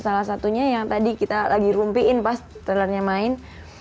salah satunya yang tadi kita lagi rumpiin pas trailernya main